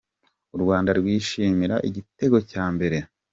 U Rwanda rwishimira igitego cya mbere